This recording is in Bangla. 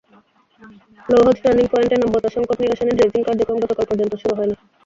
লৌহজং টার্নিং পয়েন্টে নাব্যতা-সংকট নিরসনে ড্রেজিং কার্যক্রম গতকাল পর্যন্ত শুরু হয়নি।